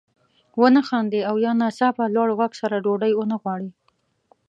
ونه خاندي او یا ناڅاپه لوړ غږ سره ډوډۍ وانه غواړي.